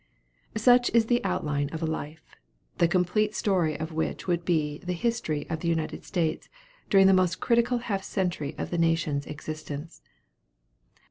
Such is the outline of a life, the complete story of which would be the history of the United States during the most critical half century of the nation's existence.